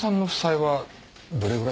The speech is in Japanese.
はい。